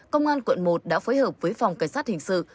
công an quận một đã phối hợp với phòng cảnh sát hình sự